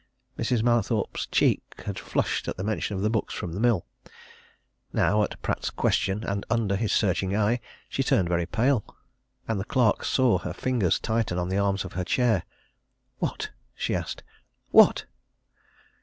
Mrs. Mallathorpe's cheek had flushed at the mention of the books from the Mill. Now, at Pratt's question, and under his searching eye, she turned very pale, and the clerk saw her fingers tighten on the arms of her chair. "What?" she asked. "What?"